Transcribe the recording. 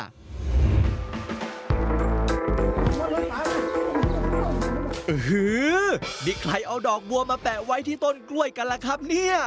นี่ใครเอาดอกบัวมาแปะไว้ที่ต้นกล้วยกันล่ะครับเนี่ย